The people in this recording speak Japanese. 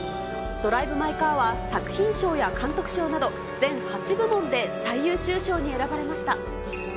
ドライブ・マイ・カーは作品賞や監督賞など、全８部門で最優秀賞に選ばれました。